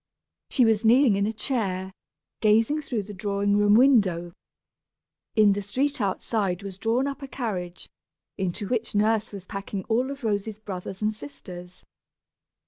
She was kneeling in a chair, gazing through the drawing room window. In the street outside was drawn up a carriage, into which Nurse was packing all of Rosy's brothers and sisters.